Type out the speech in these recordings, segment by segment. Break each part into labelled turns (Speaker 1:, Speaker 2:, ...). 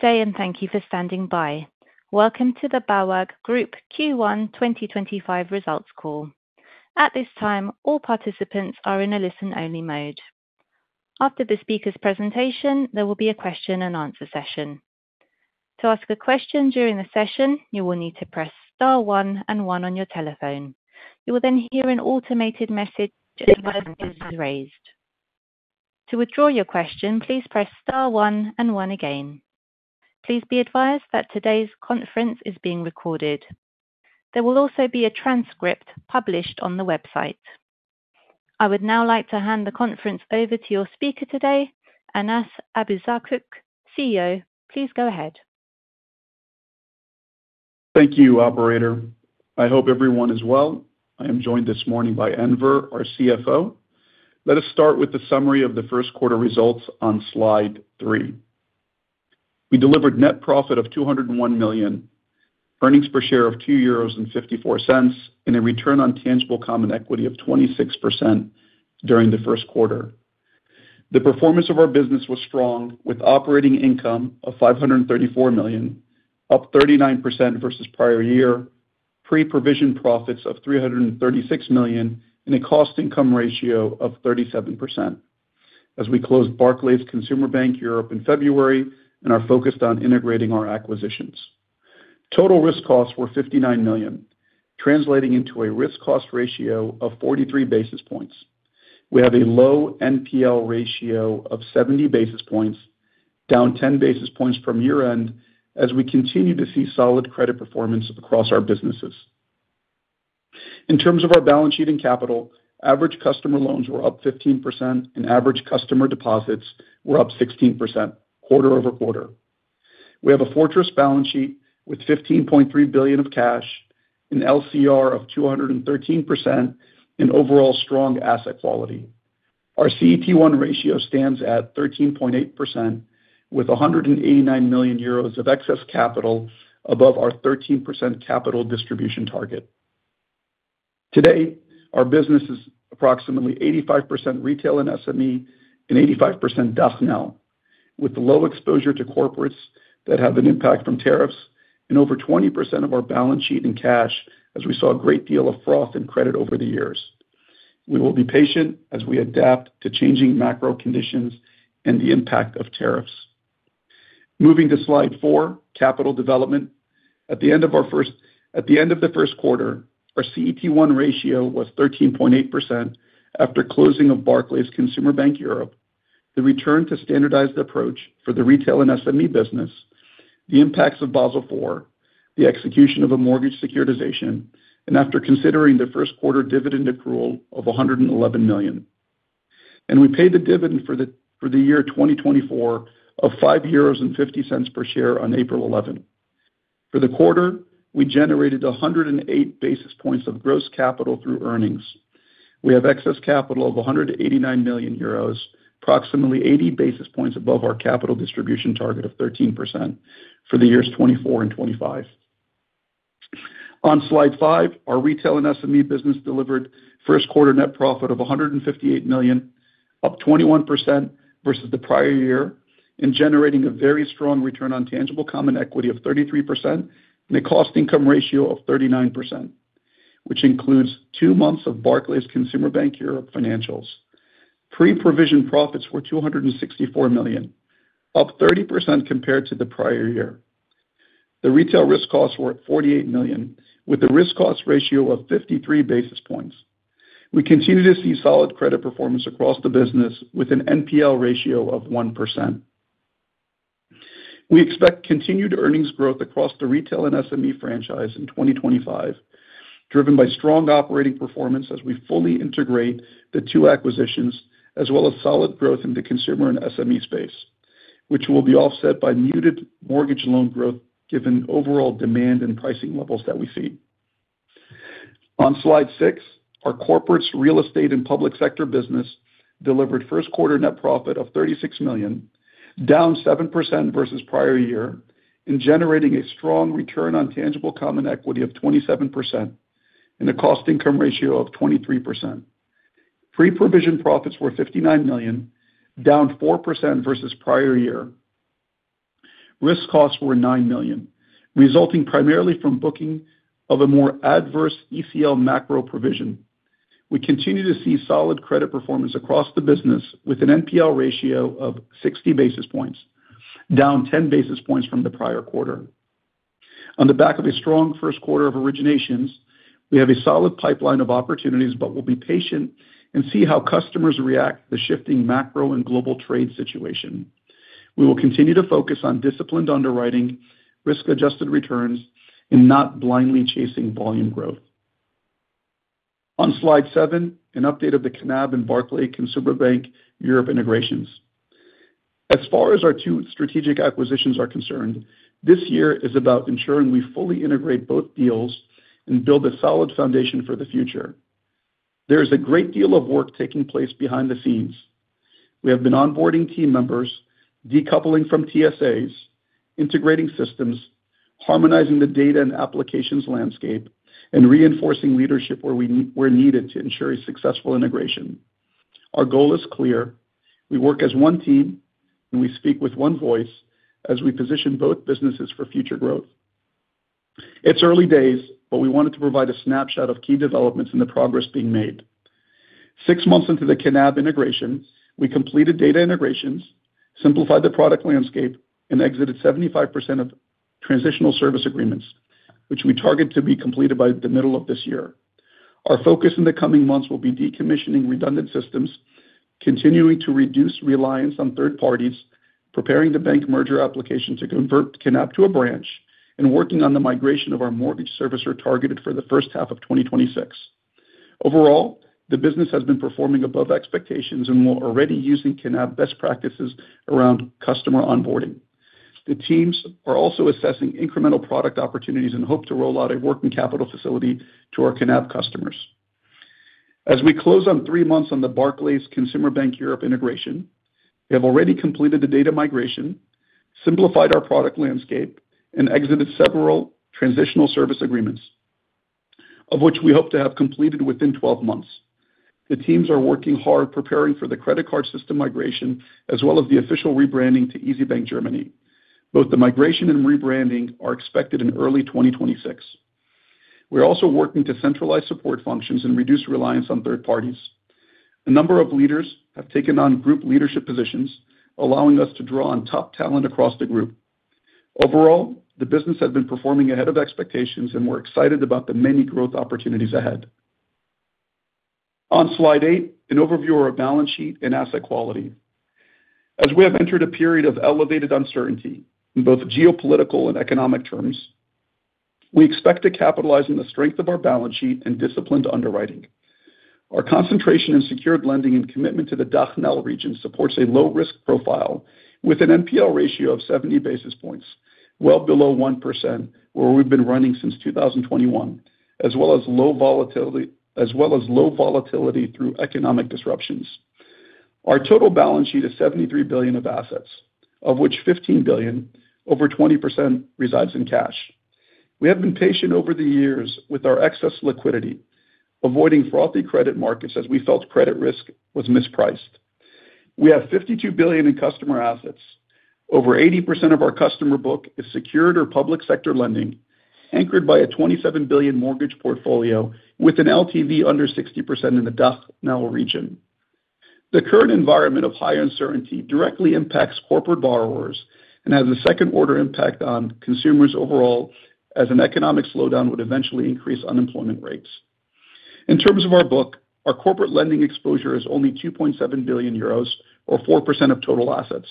Speaker 1: Good day, and thank you for standing by. Welcome to the BAWAG Group Q1 2025 results call. At this time, all participants are in a listen-only mode. After the speaker's presentation, there will be a question-and-answer session. To ask a question during the session, you will need to press star one and one on your telephone. You will then hear an automated message as a voice is raised. To withdraw your question, please press star one and one again. Please be advised that today's conference is being recorded. There will also be a transcript published on the website. I would now like to hand the conference over to your speaker today, Anas Abuzaakouk, CEO. Please go ahead.
Speaker 2: Thank you, Operator. I hope everyone is well. I am joined this morning by Enver, our CFO. Let us start with the summary of the first quarter results on slide three. We delivered net profit of 201 million, earnings per share of 2.54 euros, and a return on tangible common equity of 26% during the first quarter. The performance of our business was strong, with operating income of 534 million, up 39% versus prior year, pre-provision profits of 336 million, and a cost-income ratio of 37%. As we closed Barclays Consumer Bank Europe in February and are focused on integrating our acquisitions, total risk costs were 59 million, translating into a risk-cost ratio of 43 basis points. We have a low NPL ratio of 70 basis points, down 10 basis points from year-end, as we continue to see solid credit performance across our businesses. In terms of our balance sheet and capital, average customer loans were up 15%, and average customer deposits were up 16%, quarter-over-quarter. We have a fortress balance sheet with 15.3 billion of cash, an LCR of 213%, and overall strong asset quality. Our CET1 ratio stands at 13.8%, with 189 million euros of excess capital above our 13% capital distribution target. Today, our business is approximately 85% Retail & SME, and 85% DACH/NL, with low exposure to corporates that have an impact from tariffs, and over 20% of our balance sheet in cash, as we saw a great deal of fraud and credit over the years. We will be patient as we adapt to changing macro conditions and the impact of tariffs. Moving to slide four, capital development. At the end of our first, at the end of the first quarter, our CET1 ratio was 13.8% after closing of Barclays Consumer Bank Europe, the return to standardized approach for the Retail & SME business, the impacts of Basel IV, the execution of a mortgage securitization, and after considering the first quarter dividend accrual of 111 million. We paid the dividend for the year 2024 of 5.50 euros per share on April 11. For the quarter, we generated 108 basis points of gross capital through earnings. We have excess capital of 189 million euros, approximately 80 basis points above our capital distribution target of 13% for the years 2024 and 2025. On slide five, our Retail & SME business delivered first quarter net profit of 158 million, up 21% versus the prior year, and generating a very strong return on tangible common equity of 33% and a cost-income ratio of 39%, which includes two months of Barclays Consumer Bank Europe financials. Pre-provision profits were 264 million, up 30% compared to the prior year. The retail risk costs were at 48 million, with a risk-cost ratio of 53 basis points. We continue to see solid credit performance across the business, with an NPL ratio of 1%. We expect continued earnings growth across the Retail & SME franchise in 2025, driven by strong operating performance as we fully integrate the two acquisitions, as well as solid growth in the consumer and SME space, which will be offset by muted mortgage loan growth given overall demand and pricing levels that we see. On slide six, our Corporates, Real Estate & Public Sector business delivered first quarter net profit of 36 million, down 7% versus prior year, and generating a strong return on tangible common equity of 27% and a cost-income ratio of 23%. Pre-provision profits were 59 million, down 4% versus prior year. Risk costs were 9 million, resulting primarily from booking of a more adverse ECL macro provision. We continue to see solid credit performance across the business, with an NPL ratio of 60 basis points, down 10 basis points from the prior quarter. On the back of a strong first quarter of originations, we have a solid pipeline of opportunities, but we will be patient and see how customers react to the shifting macro and global trade situation. We will continue to focus on disciplined underwriting, risk-adjusted returns, and not blindly chasing volume growth. On slide seven, an update of the Knab and Barclays Consumer Bank Europe integrations. As far as our two strategic acquisitions are concerned, this year is about ensuring we fully integrate both deals and build a solid foundation for the future. There is a great deal of work taking place behind the scenes. We have been onboarding team members, decoupling from TSAs, integrating systems, harmonizing the data and applications landscape, and reinforcing leadership where needed to ensure a successful integration. Our goal is clear. We work as one team, and we speak with one voice as we position both businesses for future growth. It's early days, but we wanted to provide a snapshot of key developments and the progress being made. Six months into the Knab integration, we completed data integrations, simplified the product landscape, and exited 75% of Transitional Service Agreements, which we target to be completed by the middle of this year. Our focus in the coming months will be decommissioning redundant systems, continuing to reduce reliance on third parties, preparing the bank merger application to convert Knab to a branch, and working on the migration of our mortgage servicer targeted for the first half of 2026. Overall, the business has been performing above expectations and we're already using Knab best practices around customer onboarding. The teams are also assessing incremental product opportunities and hope to roll out a working capital facility to our Knab customers. As we close on three months on the Barclays Consumer Bank Europe integration, we have already completed the data migration, simplified our product landscape, and exited several Transitional Service Agreements, of which we hope to have completed within 12 months. The teams are working hard preparing for the credit card system migration as well as the official rebranding to easybank Germany. Both the migration and rebranding are expected in early 2026. We are also working to centralize support functions and reduce reliance on third parties. A number of leaders have taken on group leadership positions, allowing us to draw on top talent across the group. Overall, the business has been performing ahead of expectations, and we are excited about the many growth opportunities ahead. On slide eight, an overview of our balance sheet and asset quality. As we have entered a period of elevated uncertainty in both geopolitical and economic terms, we expect to capitalize on the strength of our balance sheet and disciplined underwriting. Our concentration in secured lending and commitment to the DACH/NL region supports a low-risk profile with an NPL ratio of 70 basis points, well below 1% where we've been running since 2021, as well as low volatility through economic disruptions. Our total balance sheet is 73 billion of assets, of which 15 billion, over 20%, resides in cash. We have been patient over the years with our excess liquidity, avoiding froth in the credit markets as we felt credit risk was mispriced. We have 52 billion in customer assets. Over 80% of our customer book is secured or public sector lending, anchored by a 27 billion mortgage portfolio with an LTV under 60% in the DACH/NL region. The current environment of high uncertainty directly impacts corporate borrowers and has a second-order impact on consumers overall as an economic slowdown would eventually increase unemployment rates. In terms of our book, our corporate lending exposure is only 2.7 billion euros, or 4% of total assets.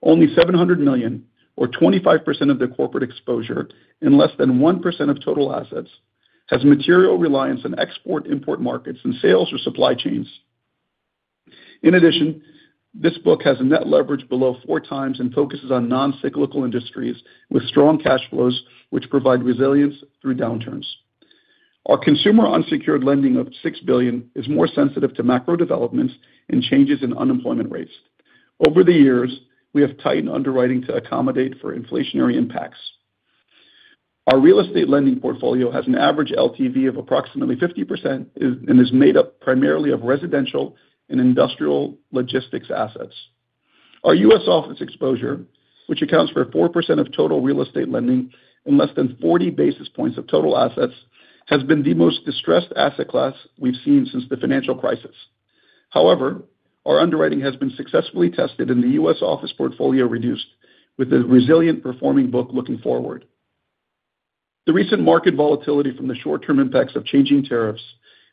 Speaker 2: Only 700 million, or 25% of the corporate exposure and less than 1% of total assets, has material reliance on export-import markets and sales or supply chains. In addition, this book has a net leverage below 4x and focuses on non-cyclical industries with strong cash flows, which provide resilience through downturns. Our consumer unsecured lending of 6 billion is more sensitive to macro developments and changes in unemployment rates. Over the years, we have tightened underwriting to accommodate for inflationary impacts. Our real estate lending portfolio has an average LTV of approximately 50% and is made up primarily of residential and industrial logistics assets. Our U.S. office exposure, which accounts for 4% of total real estate lending and less than 40 basis points of total assets, has been the most distressed asset class we've seen since the financial crisis. However, our underwriting has been successfully tested, and the U.S. office portfolio reduced, with a resilient performing book looking forward. The recent market volatility from the short-term impacts of changing tariffs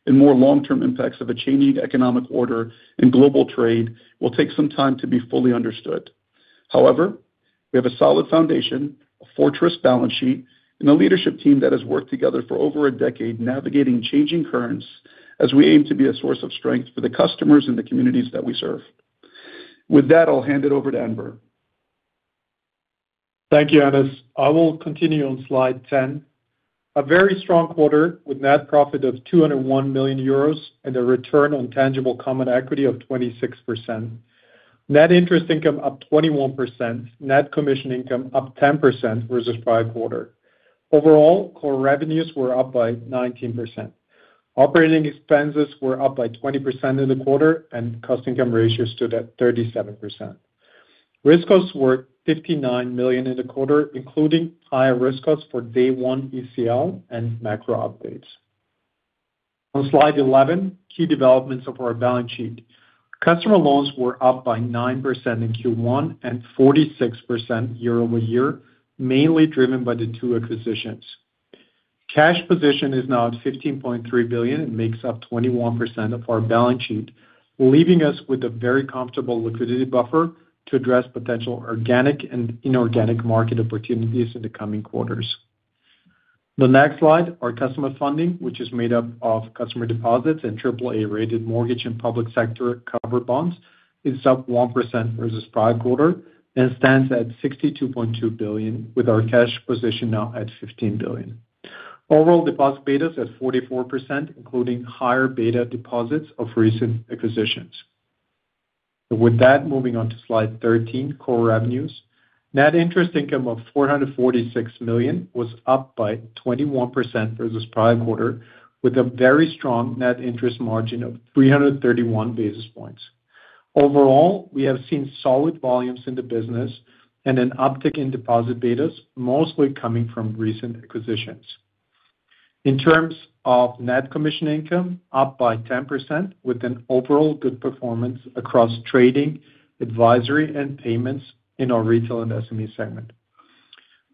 Speaker 2: and more long-term impacts of a changing economic order and global trade will take some time to be fully understood. However, we have a solid foundation, a fortress balance sheet, and a leadership team that has worked together for over a decade navigating changing currents as we aim to be a source of strength for the customers and the communities that we serve. With that, I'll hand it over to Enver.
Speaker 3: Thank you, Anas. I will continue on slide ten. A very strong quarter with net profit of 201 million euros and a return on tangible common equity of 26%. Net interest income up 21%, net commission income up 10% versus prior quarter. Overall, core revenues were up by 19%. Operating expenses were up by 20% in the quarter, and cost-income ratio stood at 37%. Risk costs were 59 million in the quarter, including higher risk costs for Day 1 ECL and macro updates. On slide 11, key developments of our balance sheet. Customer loans were up by 9% in Q1 and 46% year-over-year, mainly driven by the two acquisitions. Cash position is now at 15.3 billion and makes up 21% of our balance sheet, leaving us with a very comfortable liquidity buffer to address potential organic and inorganic market opportunities in the coming quarters. The next slide, our customer funding, which is made up of customer deposits and AAA-rated mortgage and public sector covered bonds, is up 1% versus prior quarter and stands at 62.2 billion, with our cash position now at 15 billion. Overall, deposit beta is at 44%, including higher beta deposits of recent acquisitions. With that, moving on to slide 13, core revenues. Net interest income of 446 million was up by 21% versus prior quarter, with a very strong net interest margin of 331 basis points. Overall, we have seen solid volumes in the business and an uptick in deposit betas, mostly coming from recent acquisitions. In terms of net commission income, up by 10%, with an overall good performance across trading, advisory, and payments in our Retail & SME segment.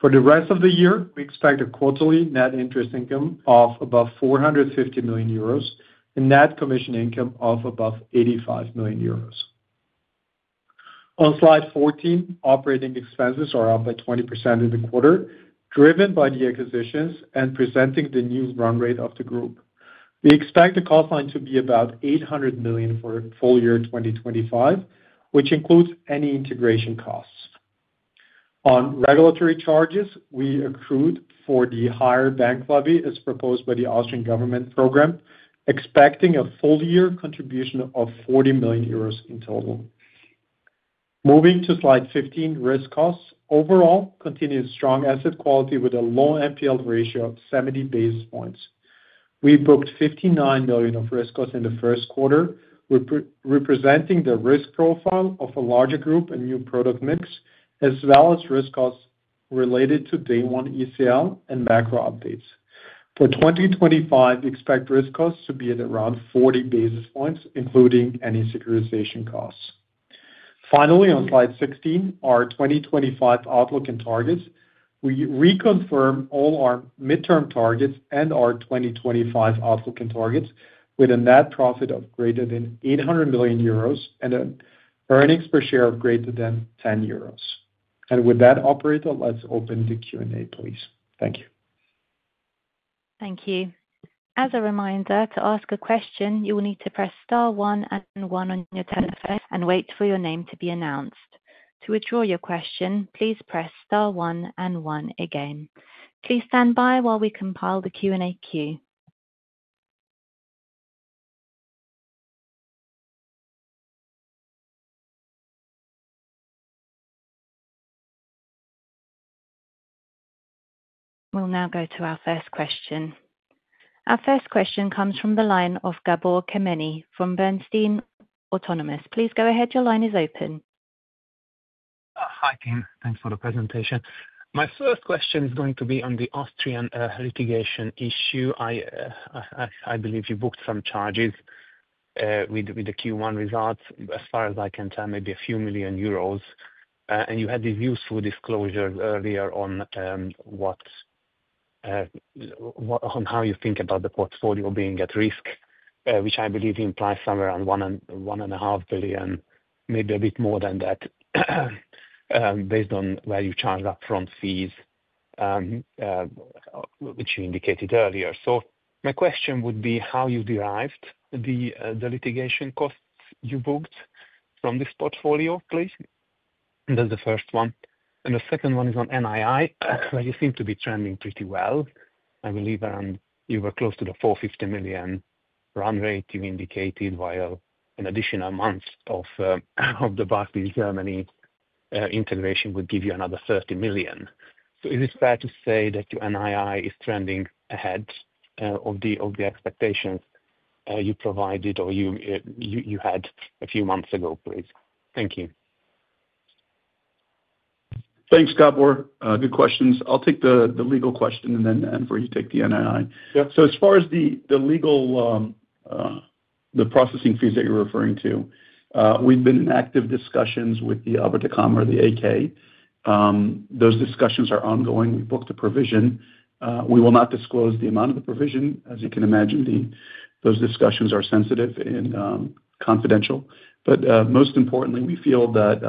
Speaker 3: For the rest of the year, we expect a quarterly net interest income of above 450 million euros and net commission income of above 85 million euros. On slide 14, operating expenses are up by 20% in the quarter, driven by the acquisitions and presenting the new run rate of the group. We expect the cost line to be about 800 million for full year 2025, which includes any integration costs. On regulatory charges, we accrued for the higher bank levy as proposed by the Austrian government program, expecting a full year contribution of 40 million euros in total. Moving to slide 15, risk costs. Overall, continued strong asset quality with a low NPL ratio of 70 basis points. We booked 59 million of risk costs in the first quarter, representing the risk profile of a larger group and new product mix, as well as risk costs related to Day 1 ECL and macro updates. For 2025, we expect risk costs to be at around 40 basis points, including any securitization costs. Finally, on slide 16, our 2025 outlook and targets. We reconfirm all our midterm targets and our 2025 outlook and targets with a net profit of greater than 800 million euros and an earnings per share of greater than 10 euros. With that, operator, let's open the Q&A, please. Thank you.
Speaker 1: Thank you. As a reminder, to ask a question, you will need to press star one and one on your telephone and wait for your name to be announced. To withdraw your question, please press star one and one again. Please stand by while we compile the Q&A queue. We'll now go to our first question. Our first question comes from the line of Gabor Kemeny from Bernstein Autonomous. Please go ahead. Your line is open.
Speaker 4: Hi, team. Thanks for the presentation. My first question is going to be on the Austrian litigation issue. I believe you booked some charges with the Q1 results. As far as I can tell, maybe a few million euros. You had these useful disclosures earlier on how you think about the portfolio being at risk, which I believe implies somewhere around 1.5 billion, maybe a bit more than that, based on where you charge upfront fees, which you indicated earlier. My question would be how you derived the litigation costs you booked from this portfolio, please. That is the first one. The second one is on NII, where you seem to be trending pretty well. I believe you were close to the 450 million run rate you indicated, while an additional month of the Barclays Germany integration would give you another 30 million. Is it fair to say that your NII is trending ahead of the expectations you provided or you had a few months ago, please? Thank you.
Speaker 2: Thanks, Gabor. Good questions. I'll take the legal question and then for you take the NII. As far as the legal, the processing fees that you're referring to, we've been in active discussions with the AK. Those discussions are ongoing. We booked a provision. We will not disclose the amount of the provision. As you can imagine, those discussions are sensitive and confidential. Most importantly, we feel that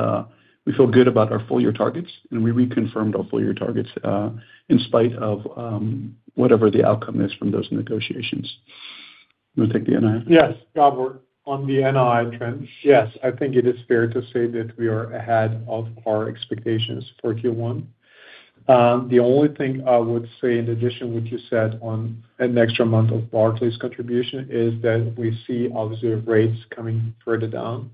Speaker 2: we feel good about our full year targets, and we reconfirmed our full year targets in spite of whatever the outcome is from those negotiations. You want to take the NII?
Speaker 3: Yes, Gabor, on the NII trend, yes, I think it is fair to say that we are ahead of our expectations for Q1. The only thing I would say, in addition to what you said on an extra month of Barclays contribution, is that we see obviously rates coming further down.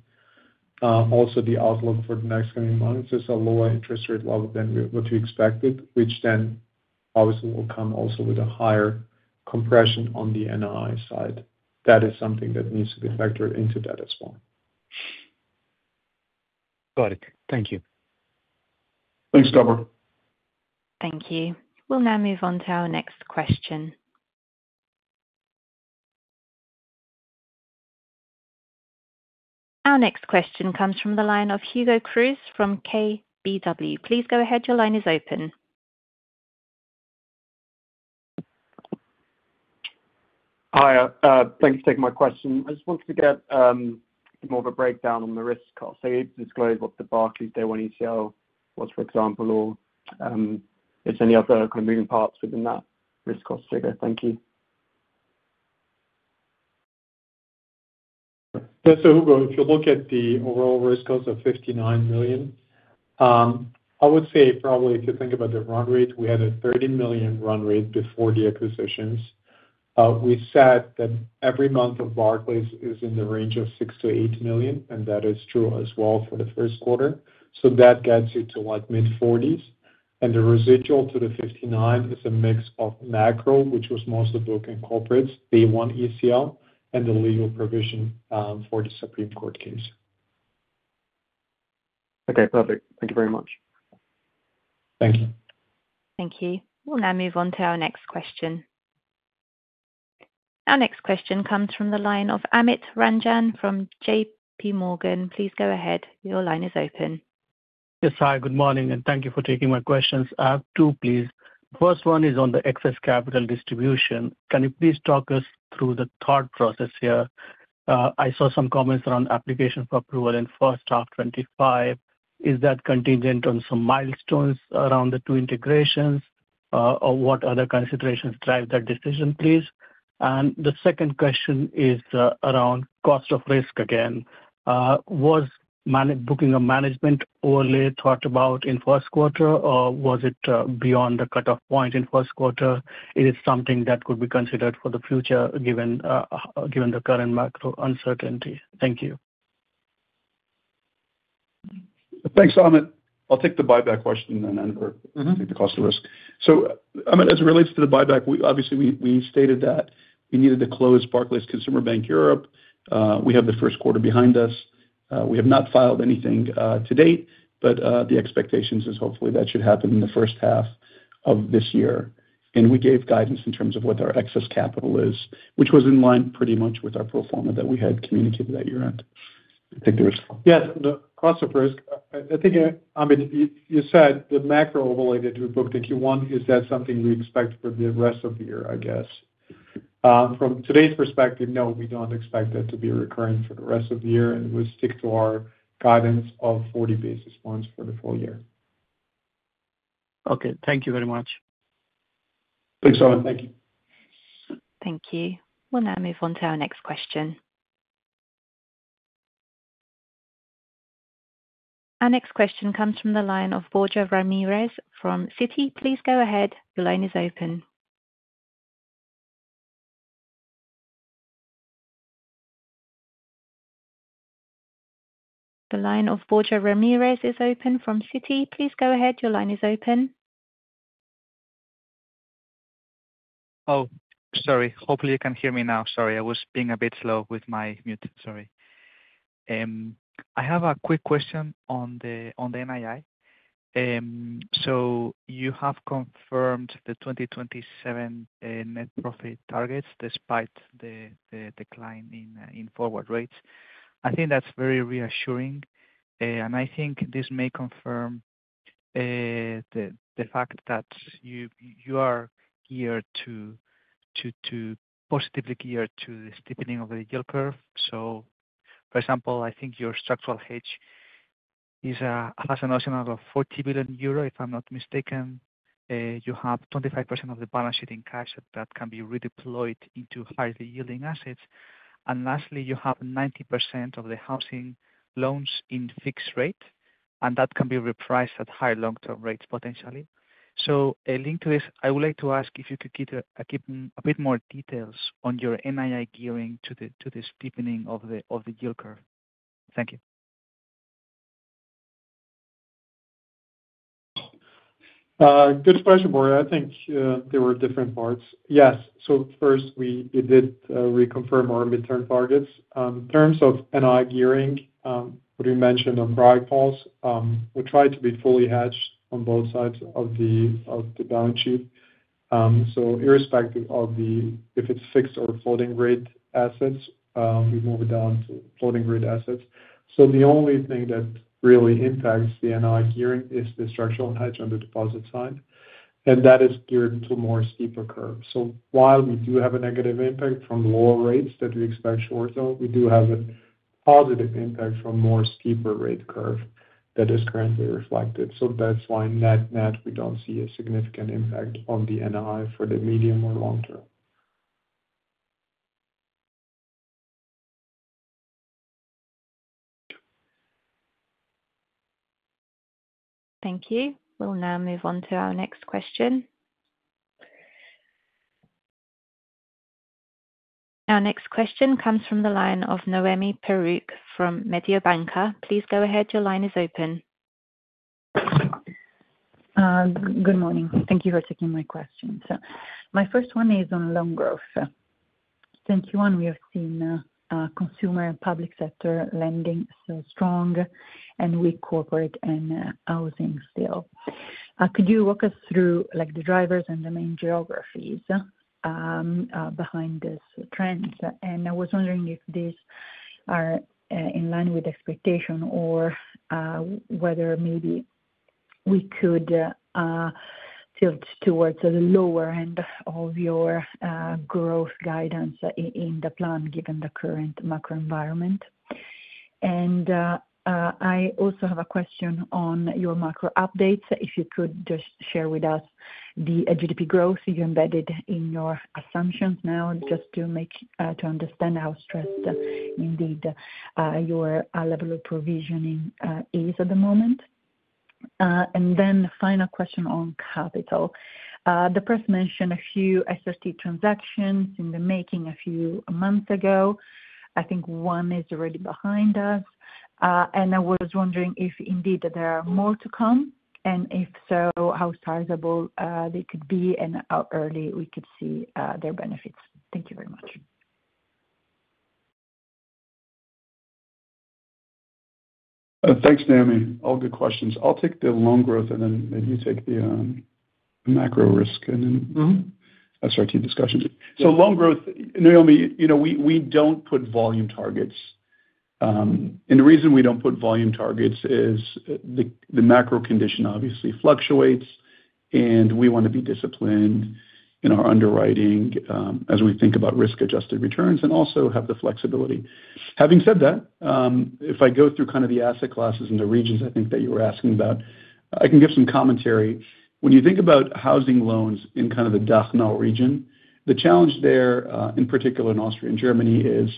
Speaker 3: Also, the outlook for the next coming months is a lower interest rate level than what we expected, which then obviously will come also with a higher compression on the NII side. That is something that needs to be factored into that as well.
Speaker 5: Got it. Thank you.
Speaker 2: Thanks, Gabor.
Speaker 1: Thank you. We will now move on to our next question. Our next question comes from the line of Hugo Cruz from KBW. Please go ahead. Your line is open.
Speaker 4: Hi. Thanks for taking my question. I just wanted to get more of a breakdown on the risk costs. Do you disclose what the Barclays Day 1 ECL was, for example, or if there's any other kind of moving parts within that risk cost figure? Thank you.
Speaker 3: Yeah. Hugo, if you look at the overall risk cost of 59 million, I would say probably if you think about the run rate, we had a 30 million run rate before the acquisitions. We said that every month of Barclays is in the range of 6 million-8 million, and that is true as well for the first quarter. That gets you to like mid-EUR 40 million. The residual to the 59 million is a mix of macro, which was mostly booked in corporate Day 1 ECL, and the legal provision for the Supreme Court case.
Speaker 4: Okay. Perfect. Thank you very much.
Speaker 3: Thank you.
Speaker 1: Thank you. We will now move on to our next question. Our next question comes from the line of Amit Ranjan from JPMorgan. Please go ahead. Your line is open.
Speaker 6: Yes, hi. Good morning, and thank you for taking my questions. I have two, please. The first one is on the excess capital distribution. Can you please talk us through the thought process here? I saw some comments around application for approval in first half 2025. Is that contingent on some milestones around the two integrations, or what other considerations drive that decision, please? The second question is around cost of risk again. Was booking a management overlay thought about in first quarter, or was it beyond the cutoff point in first quarter? Is it something that could be considered for the future given the current macro uncertainty? Thank you.
Speaker 2: Thanks, Amit. I'll take the buyback question then, Enver, take the cost of risk. Amit, as it relates to the buyback, obviously we stated that we needed to close Barclays Consumer Bank Europe. We have the first quarter behind us. We have not filed anything to date, but the expectation is hopefully that should happen in the first half of this year. We gave guidance in terms of what our excess capital is, which was in line pretty much with our proforma that we had communicated at year-end. I think there was.
Speaker 3: Yes, the cost of risk. I think, Amit, you said the macro overlay that we booked in Q1. Is that something we expect for the rest of the year, I guess? From today's perspective, no, we don't expect that to be a recurrent for the rest of the year, and we stick to our guidance of 40 basis points for the full year.
Speaker 6: Okay. Thank you very much.
Speaker 2: Thanks, Amit.
Speaker 3: Thank you.
Speaker 1: Thank you. We'll now move on to our next question. Our next question comes from the line of Borja Ramirez from Citi. Please go ahead. Your line is open. The line of Borja Ramirez is open from Citi. Please go ahead. Your line is open.
Speaker 7: Oh, sorry. Hopefully, you can hear me now. Sorry, I was being a bit slow with my mute. Sorry. I have a quick question on the NII. You have confirmed the 2027 net profit targets despite the decline in forward rates. I think that's very reassuring. I think this may confirm the fact that you are positively geared to the steepening of the yield curve. For example, I think your structural hedge has an asset of 40 billion euro, if I'm not mistaken. You have 25% of the balance sheet in cash that can be redeployed into high-yielding assets. Lastly, you have 90% of the housing loans in fixed rate, and that can be repriced at higher long-term rates potentially. Linked to this, I would like to ask if you could give a bit more details on your NII gearing to the steepening of the yield curve. Thank you.
Speaker 3: Good question, Borja. I think there were different parts. Yes. First, we did reconfirm our midterm targets. In terms of NII gearing, what you mentioned on BAWAG calls, we tried to be fully hedged on both sides of the balance sheet. Irrespective of if it's fixed or floating rate assets, we moved down to floating rate assets. The only thing that really impacts the NII gearing is the structural hedge on the deposit side. That is geared to a more steeper curve. While we do have a negative impact from lower rates that we expect short-term, we do have a positive impact from a more steeper rate curve that is currently reflected. That's why net net, we don't see a significant impact on the NII for the medium or long term.
Speaker 1: Thank you. We'll now move on to our next question. Our next question comes from the line of Noemi Peruch from Mediobanca. Please go ahead. Your line is open.
Speaker 8: Good morning. Thank you for taking my question. My first one is on loan growth. Since Q1, we have seen consumer and public sector lending so strong and weak corporate and housing still. Could you walk us through the drivers and the main geographies behind this trend? I was wondering if these are in line with expectation or whether maybe we could tilt towards the lower end of your growth guidance in the plan given the current macro environment. I also have a question on your macro updates. If you could just share with us the GDP growth you embedded in your assumptions now, just to understand how stressed indeed your level of provisioning is at the moment. Final question on capital. The press mentioned a few SRT transactions in the making a few months ago. I think one is already behind us. I was wondering if indeed there are more to come and if so, how sizable they could be and how early we could see their benefits. Thank you very much.
Speaker 2: Thanks, Noemi. All good questions. I'll take the loan growth and then maybe you take the macro risk and then SRT discussion. So loan growth, Noemi, we don't put volume targets. The reason we don't put volume targets is the macro condition obviously fluctuates, and we want to be disciplined in our underwriting as we think about risk-adjusted returns and also have the flexibility. Having said that, if I go through kind of the asset classes and the regions I think that you were asking about, I can give some commentary. When you think about housing loans in kind of the DACH/NL region, the challenge there, in particular in Austria and Germany, is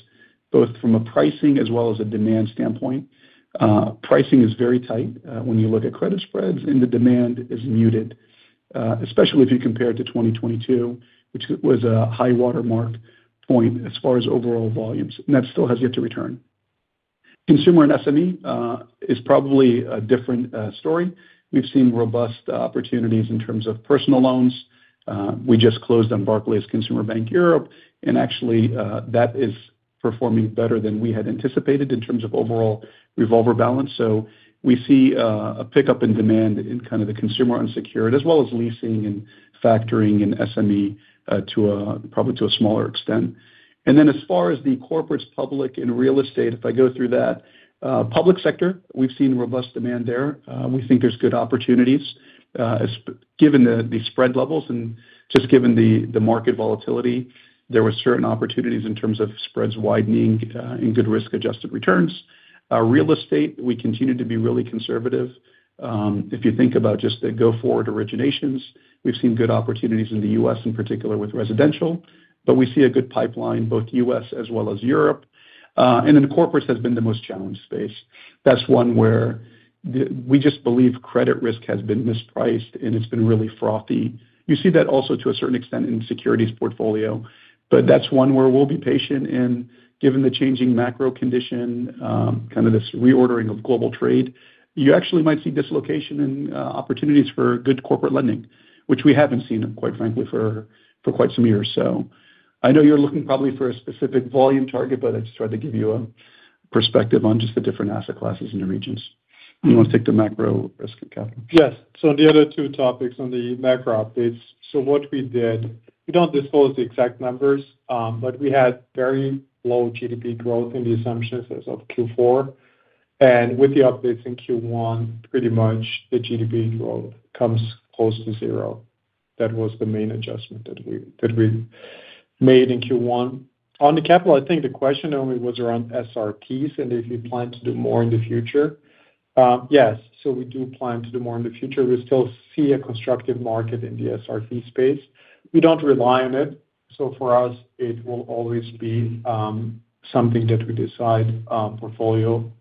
Speaker 2: both from a pricing as well as a demand standpoint. Pricing is very tight when you look at credit spreads, and the demand is muted, especially if you compare it to 2022, which was a high watermark point as far as overall volumes. That still has yet to return. Consumer & SME is probably a different story. We've seen robust opportunities in terms of personal loans. We just closed on Barclays Consumer Bank Europe, and actually that is performing better than we had anticipated in terms of overall revolver balance. We see a pickup in demand in kind of the consumer unsecured as well as leasing and factoring and SME probably to a smaller extent. As far as the Corporates, Public and Real Estate, if I go through that, Public Sector, we've seen robust demand there. We think there's good opportunities given the spread levels and just given the market volatility. There were certain opportunities in terms of spreads widening and good risk-adjusted returns. Real Estate, we continue to be really conservative. If you think about just the go-forward originations, we've seen good opportunities in the U.S., in particular with residential, but we see a good pipeline, both U.S. as well as Europe. Corporates has been the most challenged space. That's one where we just believe credit risk has been mispriced and it's been really frothy. You see that also to a certain extent in securities portfolio, but that's one where we'll be patient. Given the changing macro condition, kind of this reordering of global trade, you actually might see dislocation and opportunities for good corporate lending, which we haven't seen, quite frankly, for quite some years. I know you're looking probably for a specific volume target, but I just tried to give you a perspective on just the different asset classes in the regions. You want to take the macro risk and capital.
Speaker 3: Yes. On the other two topics on the macro updates, what we did, we do not disclose the exact numbers, but we had very low GDP growth in the assumptions as of Q4. With the updates in Q1, pretty much the GDP growth comes close to zero. That was the main adjustment that we made in Q1. On the capital, I think the question, Noemi, was around SRTs and if you plan to do more in the future. Yes. We do plan to do more in the future. We still see a constructive market in the SRT space. We do not rely on it. For us, it will always be something that we decide portfolio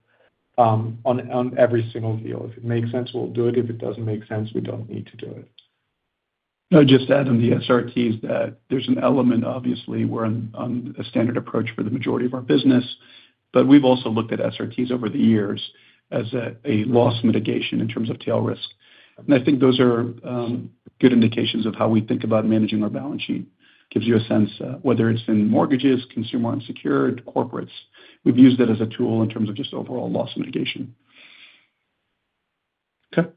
Speaker 3: on every single deal. If it makes sense, we will do it. If it does not make sense, we do not need to do it.
Speaker 2: I'll just add on the SRTs that there's an element, obviously, we're on a standard approach for the majority of our business, but we've also looked at SRTs over the years as a loss mitigation in terms of tail risk. I think those are good indications of how we think about managing our balance sheet. Gives you a sense whether it's in mortgages, consumer unsecured, corporates. We've used it as a tool in terms of just overall loss mitigation. Okay.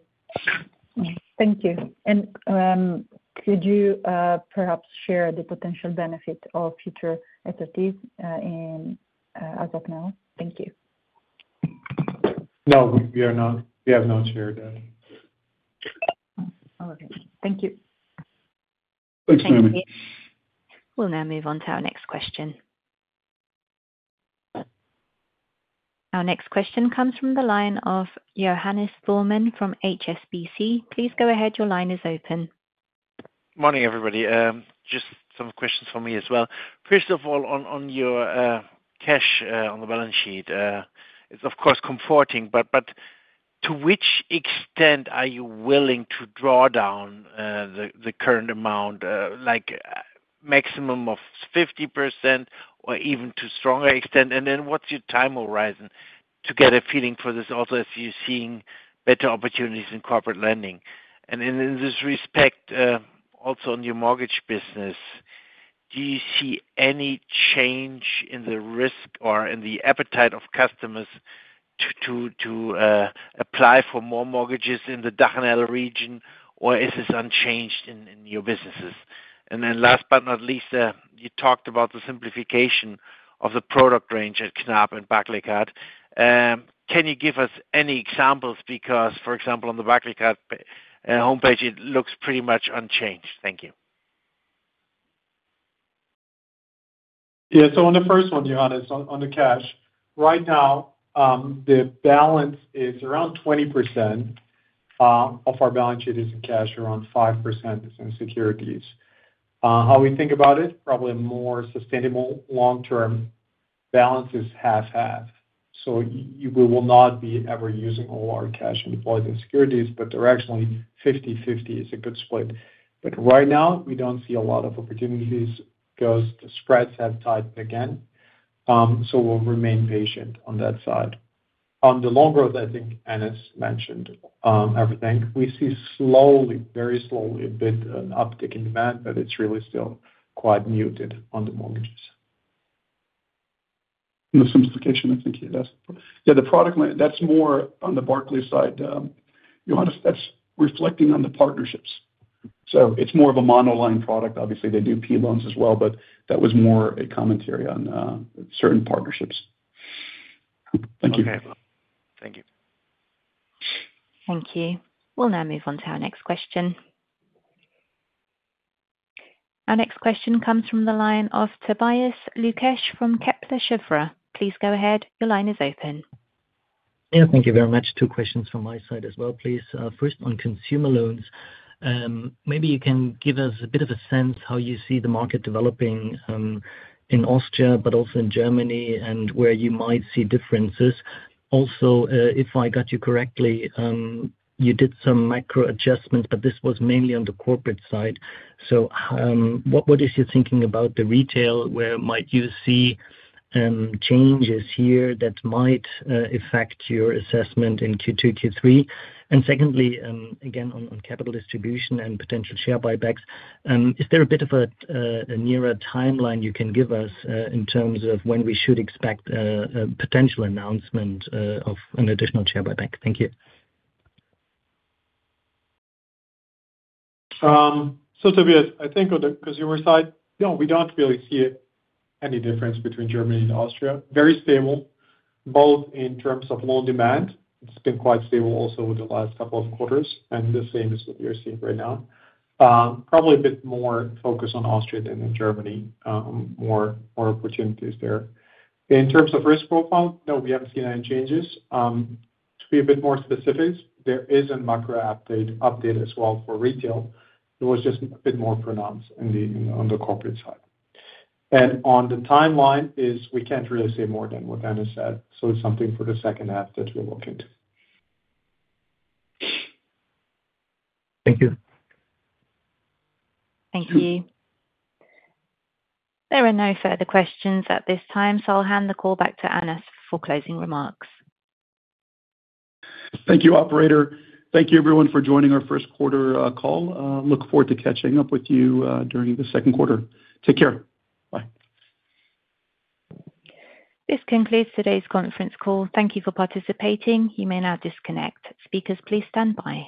Speaker 8: Thank you. Could you perhaps share the potential benefit of future SRTs as of now? Thank you.
Speaker 3: No, we have not shared that.
Speaker 8: All right. Thank you.
Speaker 2: Thanks, Noemi.
Speaker 1: Thank you. We will now move on to our next question. Our next question comes from the line of Johannes Thormann from HSBC. Please go ahead. Your line is open.
Speaker 9: Morning, everybody. Just some questions for me as well. First of all, on your cash on the balance sheet, it's of course comforting, but to which extent are you willing to draw down the current amount, maximum of 50% or even to a stronger extent? What is your time horizon to get a feeling for this also as you're seeing better opportunities in corporate lending? In this respect, also on your mortgage business, do you see any change in the risk or in the appetite of customers to apply for more mortgages in the DACH/NL region, or is this unchanged in your businesses? Last but not least, you talked about the simplification of the product range at Knab and Barclaycard. Can you give us any examples? Because, for example, on the Barclaycard homepage, it looks pretty much unchanged. Thank you.
Speaker 3: Yeah. On the first one, Johannes, on the cash, right now, the balance is around 20% of our balance sheet is in cash, around 5% is in securities. How we think about it, probably a more sustainable long-term balance is 50/50. We will not be ever using all our cash and deploy the securities, but they're actually 50/50. It's a good split. Right now, we do not see a lot of opportunities because the spreads have tightened again. We will remain patient on that side. On the loan growth, I think Anas mentioned everything. We see slowly, very slowly, a bit of an uptick in demand, but it is really still quite muted on the mortgages.
Speaker 2: The simplification, I think, yeah, that's more on the Barclays side. Johannes, that's reflecting on the partnerships. So it's more of a monoline product. Obviously, they do P loans as well, but that was more a commentary on certain partnerships. Thank you.
Speaker 9: Okay. Thank you.
Speaker 1: Thank you. We'll now move on to our next question. Our next question comes from the line of Tobias Lukesch from Kepler Cheuvreux. Please go ahead. Your line is open.
Speaker 10: Yeah. Thank you very much. Two questions from my side as well, please. First, on consumer loans, maybe you can give us a bit of a sense how you see the market developing in Austria, but also in Germany, and where you might see differences. Also, if I got you correctly, you did some macro adjustments, but this was mainly on the Corporate side. What is your thinking about the retail? Where might you see changes here that might affect your assessment in Q2, Q3? Secondly, again, on capital distribution and potential share buybacks, is there a bit of a nearer timeline you can give us in terms of when we should expect a potential announcement of an additional share buyback? Thank you.
Speaker 3: Tobias, I think on the Consumer side, no, we do not really see any difference between Germany and Austria. Very stable, both in terms of loan demand. It has been quite stable also over the last couple of quarters, and the same is what you are seeing right now. Probably a bit more focus on Austria than in Germany, more opportunities there. In terms of risk profile, no, we have not seen any changes. To be a bit more specific, there is a macro update as well for retail. It was just a bit more pronounced on the Corporate side. On the timeline, we cannot really say more than what Anas said. It is something for the second half that we are looking to.
Speaker 10: Thank you.
Speaker 1: Thank you. There are no further questions at this time, so I'll hand the call back to Anas for closing remarks.
Speaker 2: Thank you, Operator. Thank you, everyone, for joining our first quarter call. Look forward to catching up with you during the second quarter. Take care. Bye.
Speaker 1: This concludes today's conference call. Thank you for participating. You may now disconnect. Speakers, please stand by.